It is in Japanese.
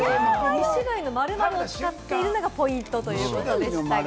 ２種類の〇〇を使っているのがポイントということでした。